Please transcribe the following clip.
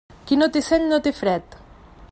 Qui no té seny, no té fred.